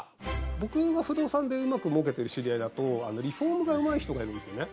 僕の不動産でうまく儲けてる知り合いだとリフォームがうまい人がいるんですよね。